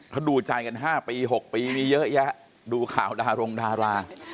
เขาดูใจกัน๕ปี๖ปีมีเยอะแยะดูข่าวดารงดารา